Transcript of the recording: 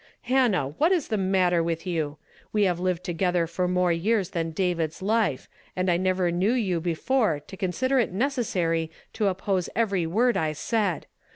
"Hannah, what is the matter with you? We nave lived together for more years than David's life, and I never knew >ou before to consider it necessary to oppose every word I said.